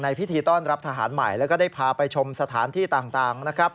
พิธีต้อนรับทหารใหม่แล้วก็ได้พาไปชมสถานที่ต่างนะครับ